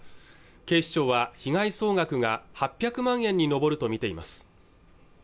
警視庁は被害総額が８００万円に上るとみています